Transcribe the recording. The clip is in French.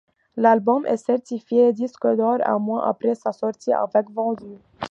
L'album est certifié disque d'or un mois après sa sortie, avec vendus.